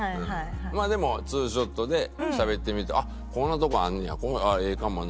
まあでも２ショットでしゃべってみて「あっこんなとこあんのやここええかもな」。